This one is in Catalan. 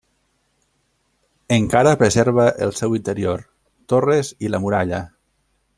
Encara preserva el seu interior, torres i la muralla.